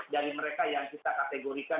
dari mereka yang kita kategorikan